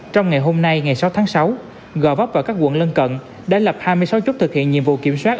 trong ngày hôm nay ngày sáu tháng sáu gò vấp và các quận lân cận đã lập hai mươi sáu chốt thực hiện nhiệm vụ kiểm soát